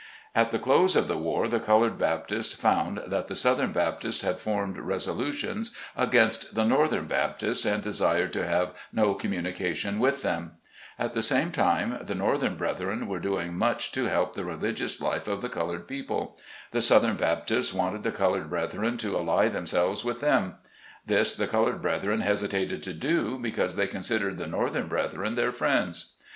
At the close of the war, the colored Baptists found that the southern Baptists had formed resolu tions against the northern Baptists, and desired to have no communication with them. At the same time the northern brethren were doing much to RELIGION AT THE CLOSE OF THE WAR. 95 help the religious life of the colored people. The southern Baptists wanted the colored brethren to ally themselves with them ; this the colored brethren hesitated to do, because they considered the north ern brethren their friends.